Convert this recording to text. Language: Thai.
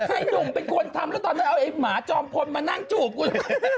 ให้หนุ่มเป็นคนทำแล้วตอนนั้นเอาไอ้หมาจอมพลมานั่งจูบกู